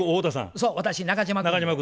そう私中島君。